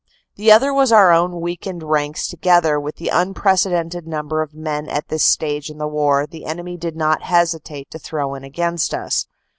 The other was our own weakened ranks together with the unprecedented number of men at this stage in the war the enemy did not hesitate to throw in against us.